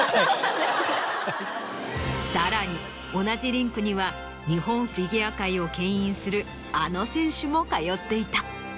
さらに同じリンクには日本フィギュア界を牽引するあの選手も通っていた。